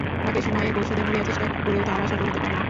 বাকি সময়ে গোল শোধের মরিয়া চেষ্টা করেও তারা সফল হতে পারেনি।